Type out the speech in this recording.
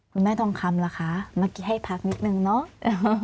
แม่ทองคำล่ะคะเมื่อกี้ให้พักนิดนึงเนาะ